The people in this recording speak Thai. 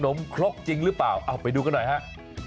น้ำคล็กจริงหรือเปล่าเป็นวิรุณอีกหน่อยครับ